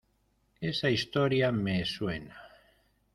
esa historia me suena.